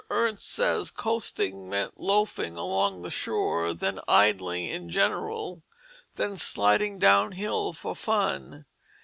Ernst says coasting meant loafing along the shore, then idling in general, then sliding down hill for fun.